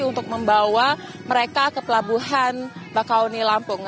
untuk membawa mereka ke pelabuhan bakauni lampung